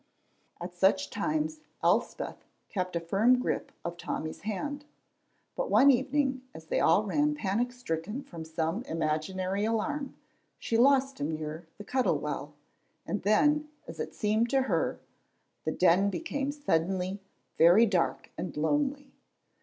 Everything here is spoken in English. At such times Elspeth kept a firm grip of Tommy's hand, but one evening as they all ran panic stricken from some imaginary alarm, she lost him near the Cuttle Well, and then, as it seemed to her, the Den became suddenly very dark and lonely.